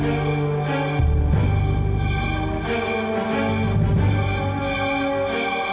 yang sepupu bagus